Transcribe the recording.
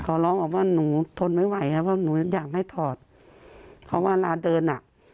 ขอร้องออกว่าหนูทนไม่ไหวครับเพราะหนูอยากให้ถอดเพราะเวลาเดินอ่ะ